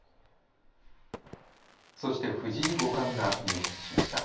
そして藤井五冠が入室しました。